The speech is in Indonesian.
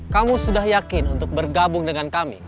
kamu sudah yakin untuk bergabung dengan kami